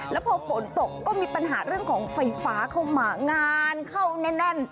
แล้วพอฝนตกก็มีปัญหาเรื่องของไฟฟ้าเข้ามางานเข้าแน่น